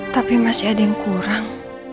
tapi masih ada yang kurang